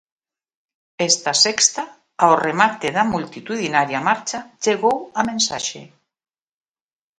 Esta sexta, ao remate da multitudinaria marcha, chegou a mensaxe.